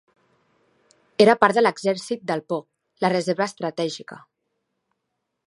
Era part de l'exèrcit del Po, la reserva estratègica.